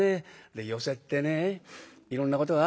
寄席ってねいろんなことがあるんですよ。